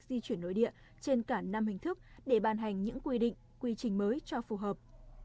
di chuyển nội địa trên cả năm hình thức để bàn hành những quy định quy trình mới cho phù hợp